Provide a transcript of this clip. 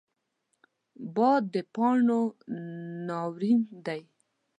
باد د پاڼو ناورین دی